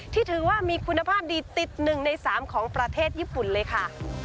ถือว่ามีคุณภาพดีติด๑ใน๓ของประเทศญี่ปุ่นเลยค่ะ